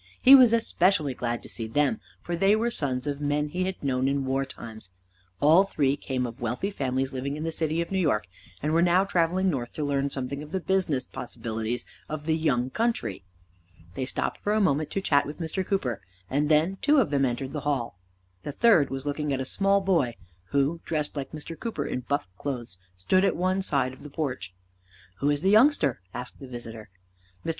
He was especially glad to see them, for they were sons of men he had known in war times. All three came of wealthy families living in the city of New York, and were now traveling north to learn something of the business possibilities of the young country. They stopped for a moment to chat with Mr. Cooper, and then two of them entered the hall. The third was looking at a small boy, who, dressed like Mr. Cooper in buff clothes, stood at one side of the porch. "Who is the youngster?" asked the visitor. Mr.